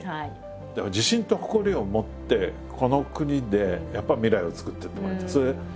だから自信と誇りを持ってこの国でやっぱり未来を作っていってもらいたい。